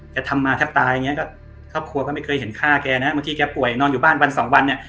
ทำมาแทบตายอย่างเงี้ก็ครอบครัวก็ไม่เคยเห็นฆ่าแกนะบางทีแกป่วยนอนอยู่บ้านวันสองวันเนี่ย